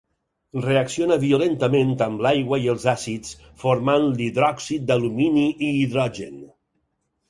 Reacciona violentament amb l'aigua i els àcids, formant l'hidròxid d'alumini i hidrogen.